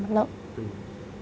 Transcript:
mặt lợi là mặt lợi